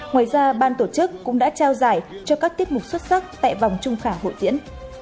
ngoài ra ban tổ chức cũng đã trao giải cho các tiết mục xuất sắc tại vòng trung khảo hội diễn